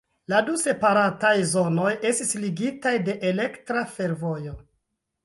La du separataj zonoj estis ligitaj de elektra fervojo.